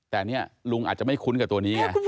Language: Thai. แต่นี่ลุงอาจจะไม่คุ้นกับตัวนี้ไง